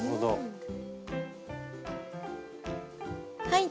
はい。